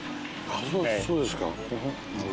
あっそうですか。